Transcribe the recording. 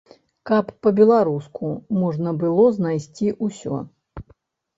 Каб па-беларуску можна было знайсці ўсё!